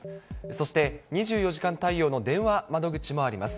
そして２４時間対応の電話窓口もあります。